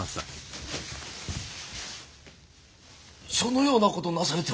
そのようなことをなされては！